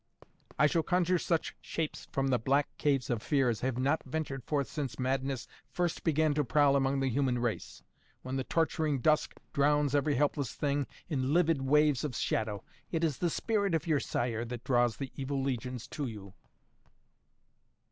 "I shall conjure such shapes from the black caves of fear as have not ventured forth since madness first began to prowl among the human race, when the torturing dusk drowns every helpless thing in livid waves of shadow. It is the spirit of your sire that draws the evil legions to you."